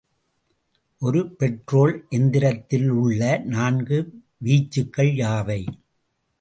ஒரு பெட்ரோல் எந்திரத்திலுள்ள நான்கு வீச்சுகள் யாவை?